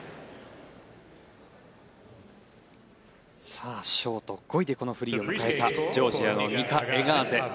さあショート５位でこのフリーを迎えたジョージアのニカ・エガーゼ。